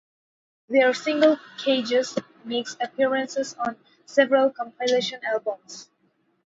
Their single "Cages" makes appearances on several compilation albums.